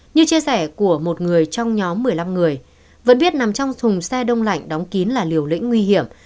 như chia sẻ của một người trong nhóm một mươi năm người vẫn biết nằm trong thùng xe đông lạnh đóng kín là liều lĩnh nguy hiểm